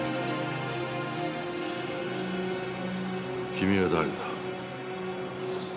君は誰だ？